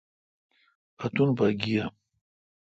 اتن پا گیہ۔